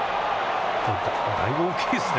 だいぶ大きいですね。